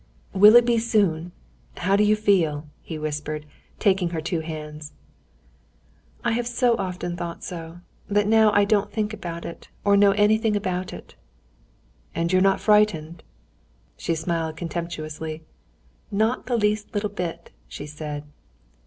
"Will it be soon? How do you feel?" he whispered, taking her two hands. "I have so often thought so, that now I don't think about it or know anything about it." "And you're not frightened?" She smiled contemptuously. "Not the least little bit," she said.